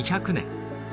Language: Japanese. ２００年